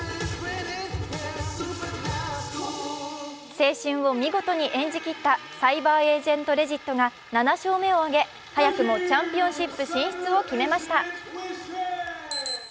青春を見事に演じきったＣｙｂｅｒＡｇｅｎｔＬｅｇｉｔが７勝目を挙げ、早くもチャンピオンシップ進出を決めました。